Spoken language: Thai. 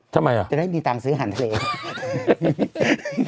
ทำไมอ่ะจะได้มีตังค์ซื้อหันเพลง